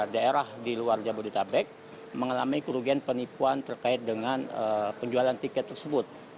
daerah di luar jabodetabek mengalami kerugian penipuan terkait dengan penjualan tiket tersebut